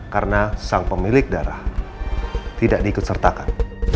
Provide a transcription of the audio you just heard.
karena sang pemilik darah tidak diikutsertakan